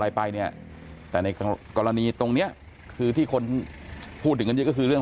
อะไรไปเนี่ยแต่ในกรณีตรงเนี้ยคือที่คนพูดถึงกันเยอะก็คือเรื่อง